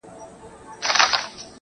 • راباندي گرانه خو يې.